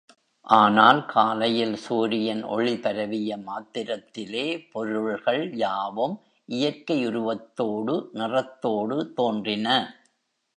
ஆனால் காலையில் சூரியன் ஒளி பரவிய மாத்திரத்திலே பொருள்கள் யாவும் இயற்கை உருவத்தோடு, நிறத்தோடு தோன்றின.